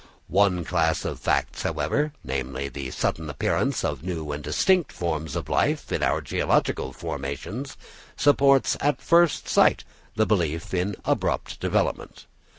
One class of facts, however, namely, the sudden appearance of new and distinct forms of life in our geological formations supports at first sight the belief in abrupt development.